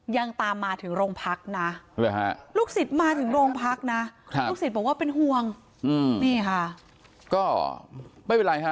ยังตามมาถึงโรงพักนะก็ไม่เป็นไรค่ะ